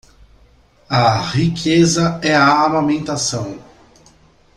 A riqueza é a amamentação